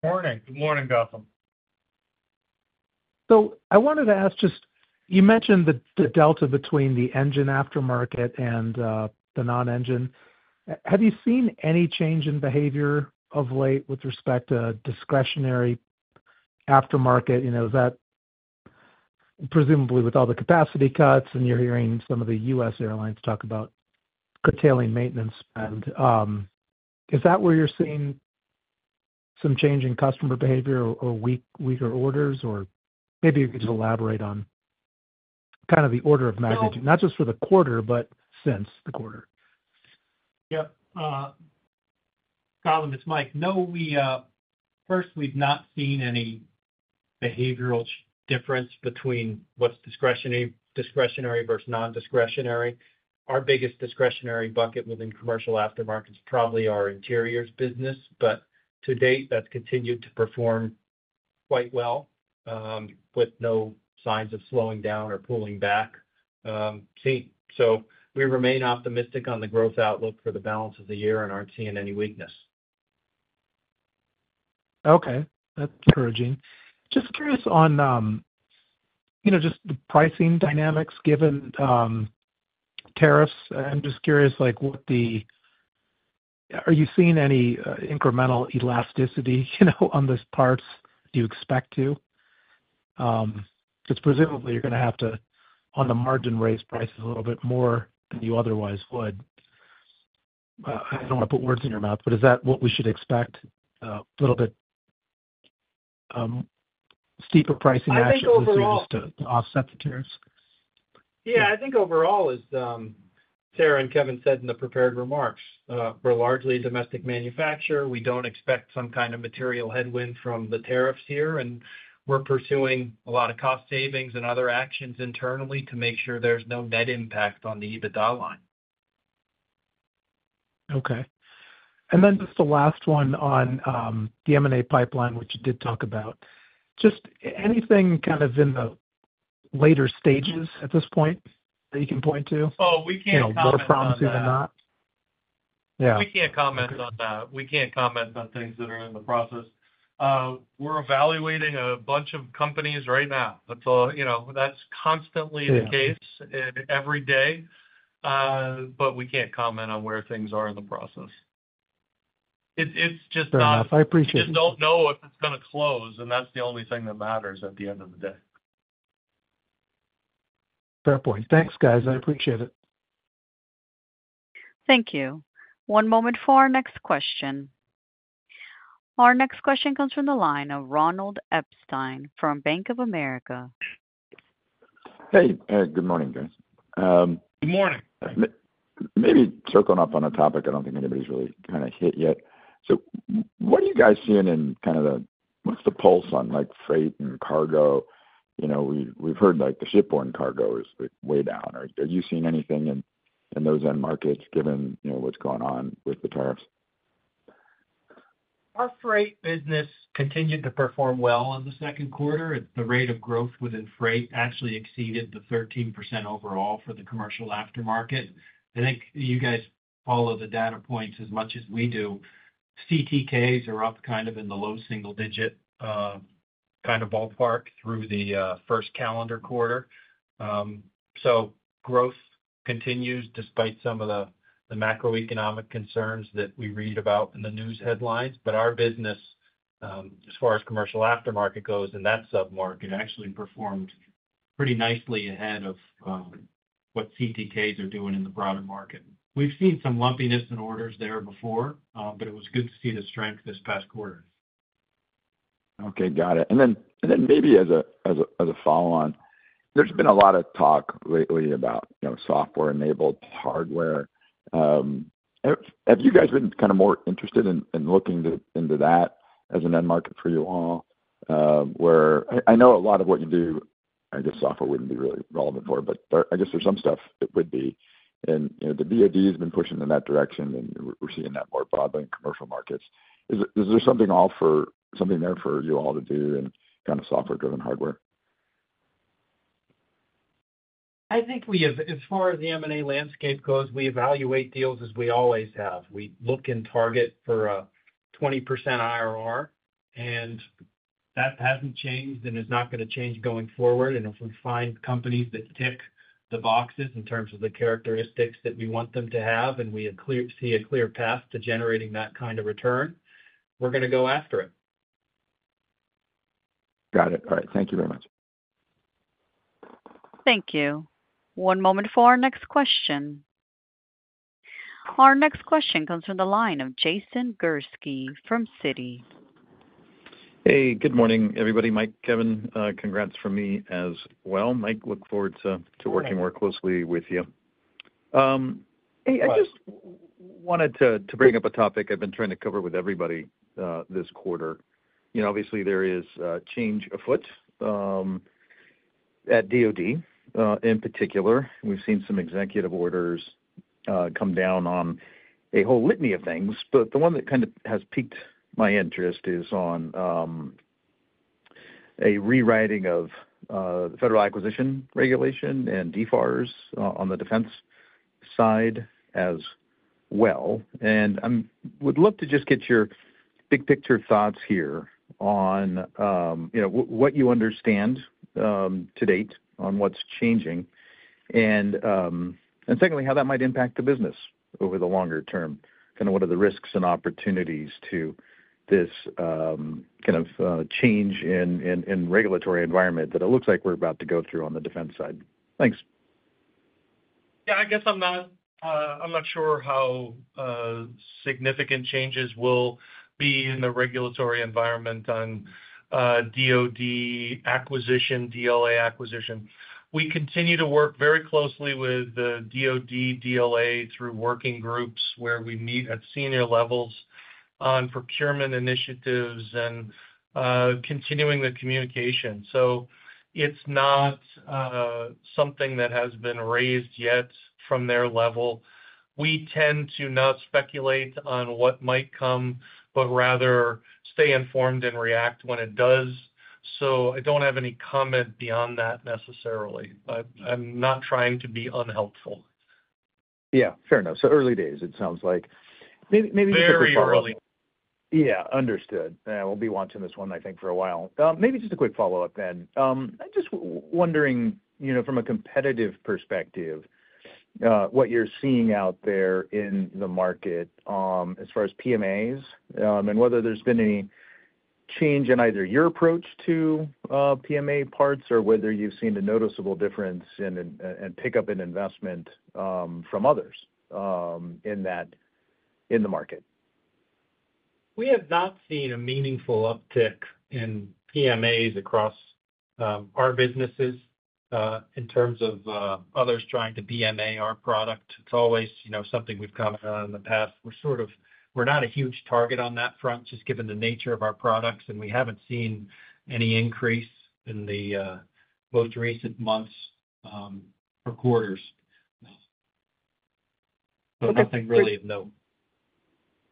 Morning. Good morning, Gautam. I wanted to ask just you mentioned the delta between the engine aftermarket and the non-engine. Have you seen any change in behavior of late with respect to discretionary aftermarket? You know, is that presumably with all the capacity cuts and you're hearing some of the US Airlines talk about curtailing maintenance and is that where you're seeing some change in customer behavior or weaker orders? Or maybe you could just elaborate on kind of the order of magnitude, not just for the quarter, but since the quarter. Yep. Gautam, it's Mike. No, we first, we've not seen any behavioral difference between what's discretionary versus non discretionary. Our biggest discretionary bucket within commercial aftermarket is probably our interiors business. To date that's continued to perform quite well with no signs of slowing down or pulling back. We remain optimistic on the growth outlook for the balance of the year and aren't seeing any weakness. Okay, that's encouraging. Just curious on, you know, just the pricing dynamics given tariffs. I'm just curious, like what the. Are you seeing any incremental elasticity, you know, on this parts? Do you expect to. Because presumably you're going to have to, on the margin, raise prices a little bit more than you otherwise would. I don't want to put words in your mouth, but is that what we should expect a little bit steeper pricing actions to offset the tariffs? Yeah, I think overall, as Sarah and Kevin said in the prepared remarks, we're largely a domestic manufacturer. We don't expect some kind of material headwind from the tariffs here. We're pursuing a lot of cost savings and other actions internally to make sure there's no net impact on the EBITDA line. Okay. Just the last one on the M&A pipeline, which you did talk about. Just anything kind of in the later stages at this point that you can point to? Oh, we can't comment on that. More promising than not? Yeah, we can't comment on that. We can't comment on things that are in the process. We're evaluating a bunch of companies right now, that's all. You know, that's constantly the case every day. We can't comment on where things. Are in the process. It's. It's just not. I appreciate. Just don't know if it's going to close, and that's the only thing that. Matters at the end of the day. Fair point. Thanks, guys. I appreciate it. Thank you. One moment for our next question. Our next question comes from the line of Ronald Epstein from Bank of America. Hey, good morning, guys. Good morning. Maybe circling up on a topic I don't think anybody's really kind of hit yet. What are you guys seeing in kind of the, what's the pulse on like freight and cargo? You know, we've heard like the shipborne cargo is way down. Are you seeing anything in those end markets given what's going on with the tariffs? Our freight business continued to perform well in the second quarter. The rate of growth within freight actually exceeded the 13% overall for the commercial aftermarket. I think you guys follow the data points as much as we do. CTKs are up kind of in the low single digit kind of ballpark through the first calendar quarter. Growth continues despite some of the macroeconomic concerns that we read about in the news headlines. Our business, as far as commercial aftermarket goes in that submarket, actually performed pretty nicely ahead of what CTKs are doing in the broader market. We've seen some lumpiness in orders there before, but it was good to see the strength this past quarter. Okay, got it. Maybe as a follow on, there's been a lot of talk lately about software enabled hardware. Have you guys been kind of more interested in looking into that as an end market for you all? I know a lot of what you do, I guess software wouldn't be really relevant for, but I guess there's some stuff it would be. The VOD has been pushing in that direction and we're seeing that more broadly in commercial markets. Is there something off or something there for you all to do and kind of software driven hardware? I think we, as far as the M&A landscape goes, we evaluate deals as we always have. We look and target for a 20% IRR. That has not changed and is not going to change going forward. If we find companies that tick the boxes in terms of the characteristics that we want them to have and we see a clear path to generating that kind of return, going to go after it. Got it. All right, thank you very much. Thank you. One moment for our next question. Our next question comes from the line of Jason Gursky from Citi. Hey, good morning, everybody. Mike. Kevin, congrats from me as well, Mike. Look forward to working more closely with you. Hey, I just wanted to bring up a topic I've been trying to cover. With everybody this quarter. You know, obviously there is change afoot at DOD in particular. We've seen some executive orders come down on a whole litany of things, but the one that kind of has piqued my interest is on a rewriting of federal acquisition regulation and DFARS on the defense side as well. I would love to just get your big picture thoughts here on what you understand to date on what's changing and secondly, how that might impact the business over the longer term. Kind of what are the risks and opportunities to this kind of change in regulatory environment that it looks like we're about to go through on the defense side. Thanks. Yeah, I guess I'm not sure how significant changes will be in the regulatory environment on DOD acquisition, DLA acquisition. We continue to work very closely with the DOD, DOA through working groups where we meet at senior levels on procurement initiatives and continuing the communication. It's not something that has been raised yet from their level. We tend to not speculate on what might come, but rather stay informed and react when it does. I don't have any comment beyond that necessarily. I'm not trying to be unhelpful. Yeah, fair enough. Early days it sounds like. Maybe very early days. Yes.Understood. We'll be watching this one, I think for a while. Maybe just a quick follow-up then. I'm just wondering from a competitive perspective what you're seeing out there in the market as far as PMAs and whether there's been any change in either your approach to PMA parts or whether you've seen a noticeable difference and pickup in investment from others in that in the market. We have not seen a meaningful uptick in PMAs across our businesses in terms of others trying to PMA our product. It's always, you know, something we've commented on in the past. We're sort of, we're not a huge target on that front just given the nature of our products. We haven't seen any increase in the most recent months or quarters. Nothing really of note.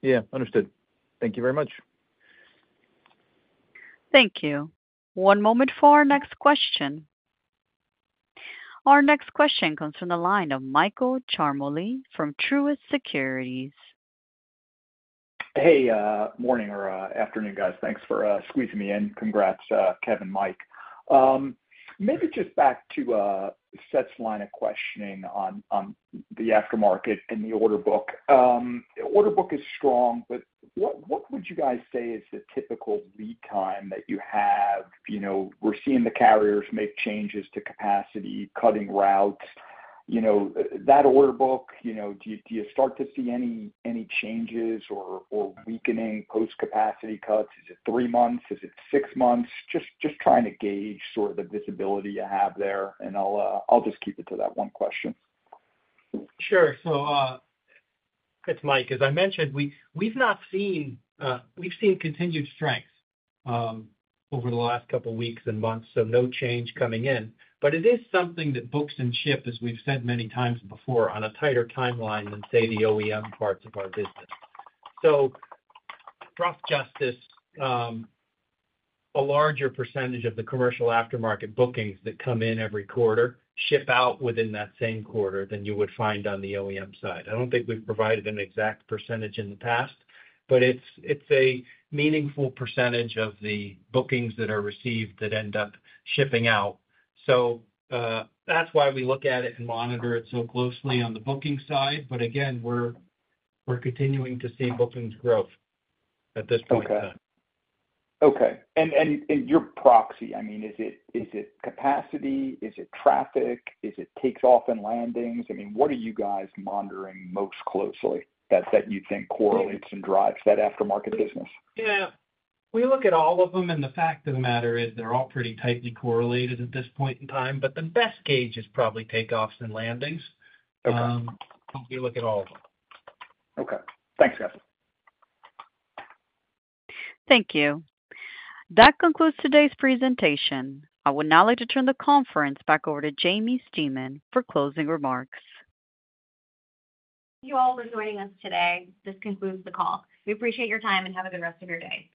Yeah, understood. Thank you very much. Thank you. One moment for our next question. Our next question comes from the line of Michael Ciarmoli from Truist Securities. Hey, morning or afternoon, guys? Thanks for squeezing me in. Congrats, Kevin. Mike, maybe just back to Seth's line of questioning on the aftermarket. And the order book. Order book is strong, but what would you guys say is the typical lead time that you have? You know, we're seeing the carriers make changes to capacity cutting routes. You know, that order book, you know, do you start to see any changes or weakening post capacity cuts? Is it three months? Is it six months? Just trying to gauge sort of the visibility you have there. I'll just keep it to that one question. Sure. It's Mike. As I mentioned, we've seen continued strength over the last couple weeks and months. No change coming in, but it is something that books and ship, as we've said many times before, on a tighter timeline than, say, the OEM parts of our business. Rough justice, a larger percentage of the commercial aftermarket bookings that come in every quarter ship out within that same quarter than you would find on the OEM side. I don't think we've provided an exact percentage in the past, but it's a meaningful percentage of the bookings that are received that end up shipping out. That's why we look at it and monitor it so closely on the booking side. Again, we're continuing to see bookings growth at this point. Okay, and your proxy, I mean is it, is it capacity, is it traffic, is it takeoffs and landings? I mean what are you guys monitoring most closely that you think correlates and drives that aftermarket business? Yeah, we look at all of them and the fact of the matter is they're all pretty tightly correlated at this point in time. The best gauge is probably takeoffs and landings. You look at all of them. Okay, thanks guys. Thank you. That concludes today's presentation. I would now like to turn the conference back over to Jaimie Stemen for closing remarks. Thank you all for joining us today. This concludes the call. We appreciate your time and have a good rest of your day.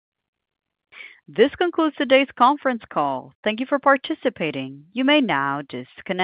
This concludes today's conference call. Thank you for participating. You may now disconnect.